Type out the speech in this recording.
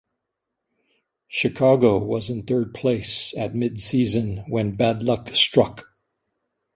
Chicago was in third place at mid-season when bad luck struck.